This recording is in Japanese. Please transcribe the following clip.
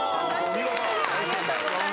ありがとうございます。